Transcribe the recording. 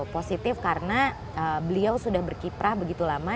positif karena beliau sudah berkiprah begitu lama